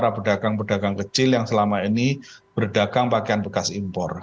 berdagang berdagang kecil yang selama ini berdagang pakaian bekas impor